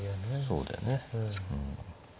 そうだよね。